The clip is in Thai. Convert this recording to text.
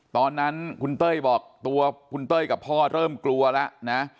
ตอนนั้นคุณเต้ยบอกตัวคุณเต้ยกับพ่อเริ่มกลัวแล้วนะ